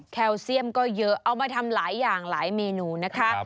เซียมก็เยอะเอามาทำหลายอย่างหลายเมนูนะคะ